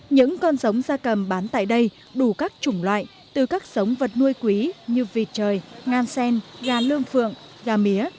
những con giống ra cầm bán tại đây đủ các chủng loại từ các sống vật nuôi quý như vịt trời ngan sen gà lương phượng gà mía